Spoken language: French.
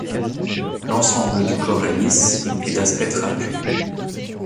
L'ensemble du corps est lisse, et d'aspect trapu.